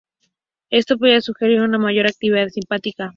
Esto podría sugerir una mayor actividad simpática.